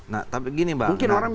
nah tapi gini bang